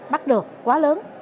bắt được quá lớn